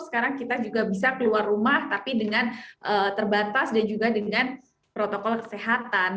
sekarang kita juga bisa keluar rumah tapi dengan terbatas dan juga dengan protokol kesehatan